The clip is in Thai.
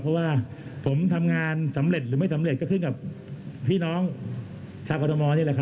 เพราะว่าผมทำงานสำเร็จหรือไม่สำเร็จก็ขึ้นกับพี่น้องชาวกรทมนี่แหละครับ